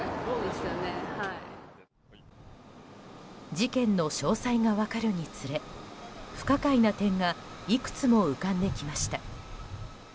事件の詳細が分かるにつれ不可解な点がいくつも浮かんできました。